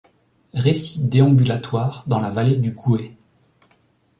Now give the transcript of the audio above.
Récits déambulatoires dans la vallée du Gouët.